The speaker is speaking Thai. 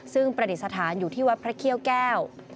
ซึ่งประดิษฐานอยู่ที่วัดพระเขี้ยวแก้ว